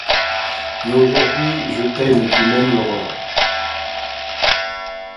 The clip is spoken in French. Mais aujourd'hui je t'aime et tu m'aimes ; l'aurore